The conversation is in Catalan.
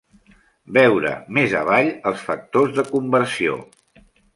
Veure més avall els factors de conversió.